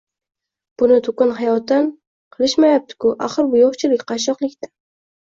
Buni to‘kin hayotdan qilishmayapti-ku, axir, bu — yoʻqchilik, qashshoqlikdan.